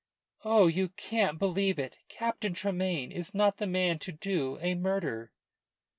"Oh, you can't believe it! Captain Tremayne is not the man to do a murder."